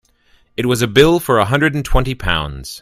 It was a bill for a hundred and twenty pounds.